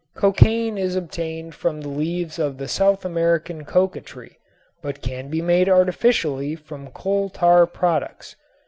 Cocain is obtained from the leaves of the South American coca tree, but can be made artificially from coal tar products.